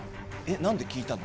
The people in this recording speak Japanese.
なんで聞いたの？